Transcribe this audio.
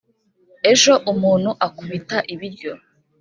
ejo umuntu akubita ibiryo.